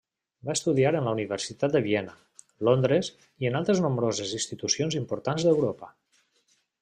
Va estudiar en la Universitat de Viena, Londres i en altres nombroses institucions importants d'Europa.